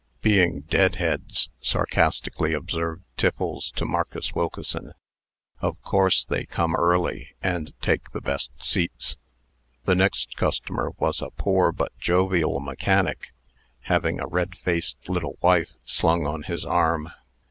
"Being deadheads," sarcastically observed Tiffles to Marcus Wilkeson, "of course they come early, and take the best seats." The next customer was a poor but jovial mechanic, having a red faced little wife slung on his arm.